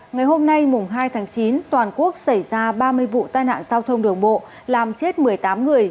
ngày hôm nay hai tháng chín toàn quốc xảy ra ba mươi vụ tai nạn giao thông đường bộ làm chết một mươi tám người